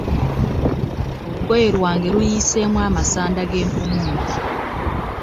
Olugoye lwange luyiiseemu amasand a g'empummumpu.